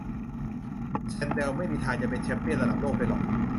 แซนเดลไม่มีทางจะเป็นแชมเปี้ยนระดับโลกได้หรอก